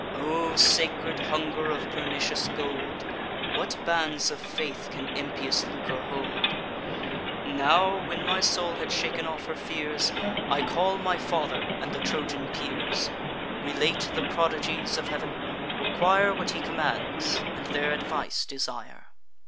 O sacred hunger of pernicious gold! What bands of faith can impious lucre hold? Now, when my soul had shaken off her fears, I call my father and the Trojan peers; Relate the prodigies of Heav'n, require What he commands, and their advice desire.